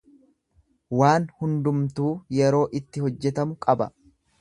Waan hundumtuu yeroo itti hojjetamu qaba.